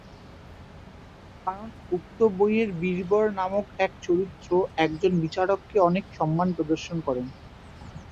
কারণ উক্ত বইয়ের "বীর বর" নামক এক চরিত্র একজন বিচারককে অনেক সম্মান প্রদর্শন করেন।